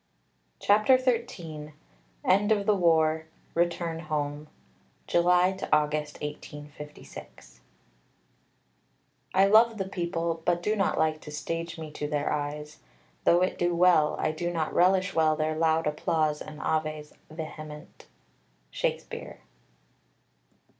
CHAPTER XIII END OF THE WAR RETURN HOME (July August 1856) I love the people, But do not like to stage me to their eyes. Though it do well, I do not relish well Their loud applause and aves vehement. SHAKESPEARE.